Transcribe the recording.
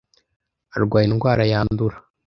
Arwaye indwara yandura.